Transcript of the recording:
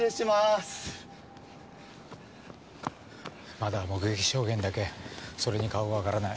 まだ目撃証言だけそれに顔が分からない。